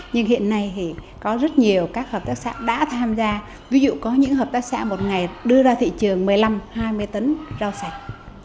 nhưng hiện nay thì có rất nhiều các hợp tác xã đã tham gia ví dụ có những hợp tác xã một ngày đưa ra thị trường một mươi năm hai mươi tấn rau sạch